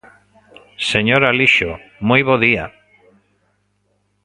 Señor Alixo, moi bo día.